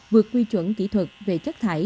vượt quy chuẩn kỹ thuật về chấp thải